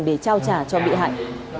để trao trả cho bị hại